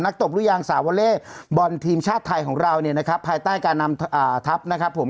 ตบลูกยางสาวอเล่บอลทีมชาติไทยของเราเนี่ยนะครับภายใต้การนำทัพนะครับผม